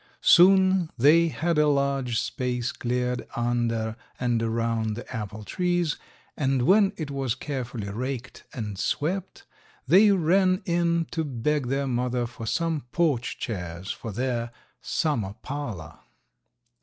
Soon they had a large space cleared under and around the apple trees, and when it was carefully raked and swept they ran in to beg their mother for some porch chairs for their "summer parlor."